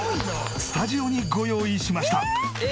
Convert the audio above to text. スタジオにご用意しました！